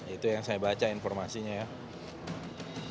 itu yang saya baca informasinya ya